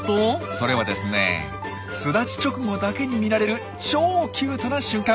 それはですね巣立ち直後だけに見られる超キュートな瞬間。